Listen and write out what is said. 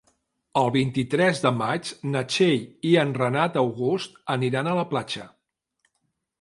El vint-i-tres de maig na Txell i en Renat August aniran a la platja.